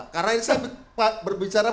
karena ini saya berbicara